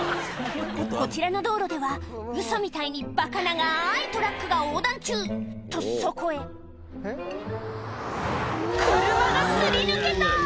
こちらの道路ではウソみたいにバカ長いトラックが横断中とそこへ車が擦り抜けた！